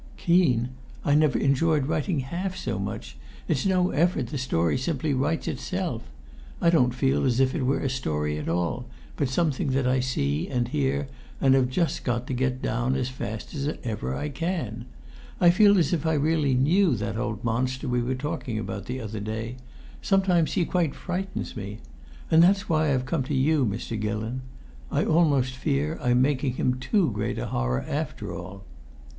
"Keen? I never enjoyed writing half so much. It's no effort; the story simply writes itself. I don't feel as if it were a story at all, but something that I see and hear and have just got to get down as fast as ever I can! I feel as if I really knew that old monster we were talking about the other day. Sometimes he quite frightens me. And that's why I've come to you, Mr. Gillon. I almost fear I'm making him too great a horror after all!"